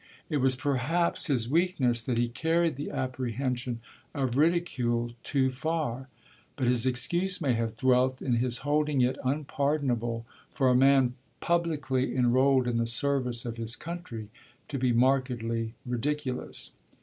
It was perhaps his weakness that he carried the apprehension of ridicule too far; but his excuse may have dwelt in his holding it unpardonable for a man publicly enrolled in the service of his country to be markedly ridiculous.